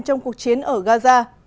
trong cuộc chiến ở gaza